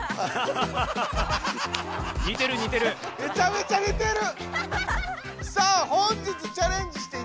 めちゃめちゃ似てる！